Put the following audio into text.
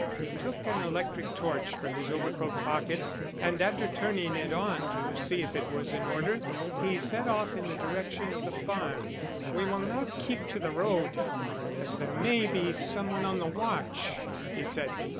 He took an electric torch from his overcoat pocket and after turning it on to see if it was in order he set off in the direction of the farm. "We will not keep to the road, as there may be some one on the watch," he said.